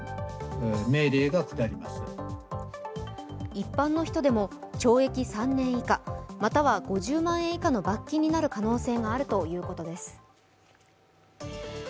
一般の人でも懲役３年以下または５０万円以下の罰金になる可能性があるということです。